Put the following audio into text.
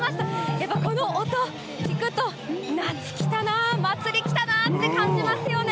やっぱこの音聞くと、夏来たな、祭り来たなって感じますよね。